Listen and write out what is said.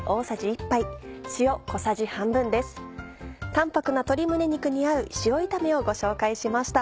淡泊な鶏胸肉に合う塩炒めをご紹介しました。